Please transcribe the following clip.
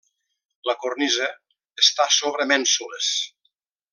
La cornisa està sobre mènsules.